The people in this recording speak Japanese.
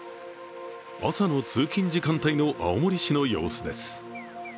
朝の通勤時間帯の青森市の様子です。